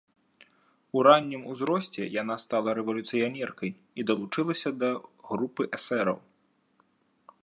У раннім узросце яна стала рэвалюцыянеркай і далучылася да групы эсэраў.